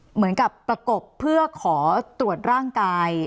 เหมือนกับประกบเพื่อขอตรวจร่างกาย